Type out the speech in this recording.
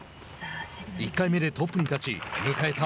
１回目でトップに立ち迎えた